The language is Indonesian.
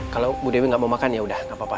kalau bu dewi gak mau makan yaudah gapapa